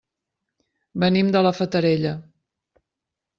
Venim de la Fatarella.